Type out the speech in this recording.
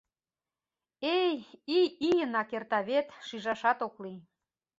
Эй, ий ийынак эрта вет, шижашат ок лий.